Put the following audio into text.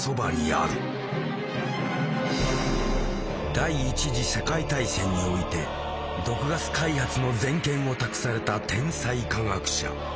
第一次世界大戦において毒ガス開発の全権を託された天才化学者。